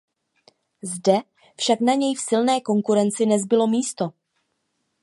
Zde však na něj v silné konkurenci nezbylo místo.